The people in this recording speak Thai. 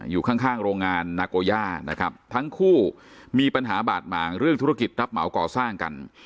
อยู่ข้างข้างโรงงานนาโกย่านะครับทั้งคู่มีปัญหาบาดหมางเรื่องธุรกิจรับเหมาก่อสร้างกัน